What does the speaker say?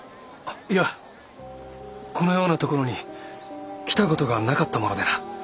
いやこのようなところに来た事がなかったものでな。